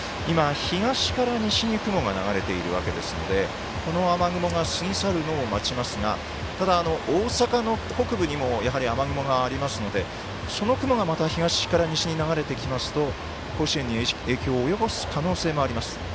東から西に雲が流れているわけですのでこの雨雲が過ぎ去るのを待ちますがただ、大阪の北部にもやはり雨雲がありますのでその雲が、また東から西に流れてきますと甲子園に影響を及ぼす可能性があります。